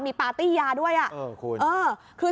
มีปาร์ตี้ยาด้วยเหรอคุณ